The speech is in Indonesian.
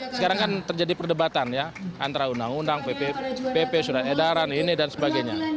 sekarang kan terjadi perdebatan ya antara undang undang pp surat edaran ini dan sebagainya